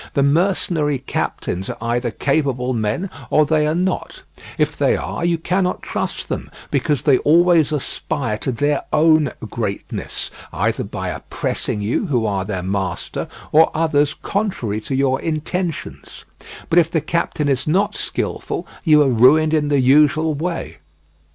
The mercenary captains are either capable men or they are not; if they are, you cannot trust them, because they always aspire to their own greatness, either by oppressing you, who are their master, or others contrary to your intentions; but if the captain is not skilful, you are ruined in the usual way.